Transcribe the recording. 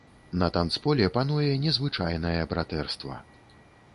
На танцполе пануе незвычайнае братэрства.